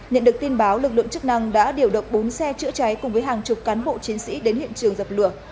nhận được tin báo lực lượng chức năng đã điều động bốn xe chữa cháy cùng với hàng chục cán bộ chiến sĩ đến hiện trường dập lửa